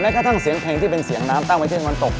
แม้แค่ทั้งเสียงเพลงที่เป็นเสียงน้ำตั้งไว้ที่ทะวันตก